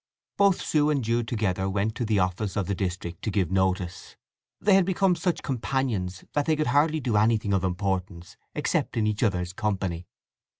Both Sue and Jude together went to the office of the district to give notice: they had become such companions that they could hardly do anything of importance except in each other's company.